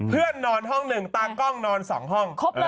เพื่อนนอนห้องหนึ่งตากล้องนอนสองห้อง